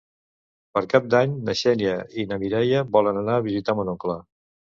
Per Cap d'Any na Xènia i na Mireia volen anar a visitar mon oncle.